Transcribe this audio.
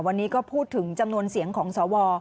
วันนี้ก็พูดถึงจำนวนเสียงของสว